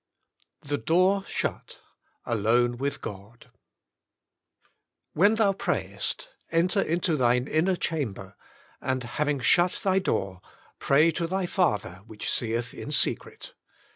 n THE DOOR SHUT — ALONE WITH GOD " When thou prayest enter into thine inner chamber, and, having shut thy door, pray to thy Father, which seeth in secret."